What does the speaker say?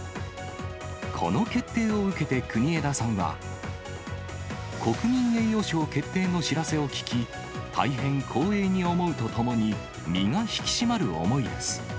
この決定を受けて国枝さんは。国民栄誉賞決定の知らせを聞き、大変光栄に思うとともに、身が引き締まる思いです。